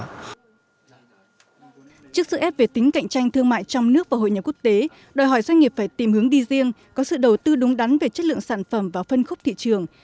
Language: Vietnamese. trước sức ép về tính cạnh tranh thương mại trong nước và hội nhập quốc tế đòi hỏi doanh nghiệp phải tìm hướng đi riêng có sự đầu tư đúng đắn về chất lượng sản phẩm và phân khúc thị trường